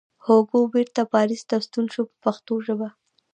هوګو بېرته پاریس ته ستون شو په پښتو ژبه.